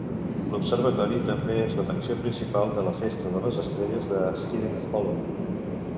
L'observatori també és l'atracció principal de la festa de les estrelles de Hidden Hollow.